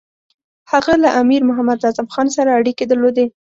هغه له امیر محمد اعظم خان سره اړیکې درلودې.